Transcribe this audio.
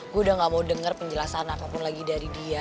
gue udah gak mau dengar penjelasan apapun lagi dari dia